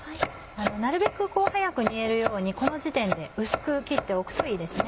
なるべく早く煮えるようにこの時点で薄く切っておくといいですね。